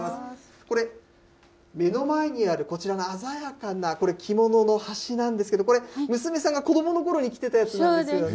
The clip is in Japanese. これ、目の前にあるこちらの鮮やかなこれ、着物の端なんですけど、これ、娘さんが子どものころに着てたやつなんですよね。